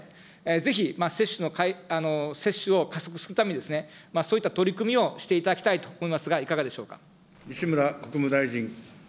ぜひ接種を加速するために、そういった取り組みをしていただきたいと思いますが、いかがでしょうか。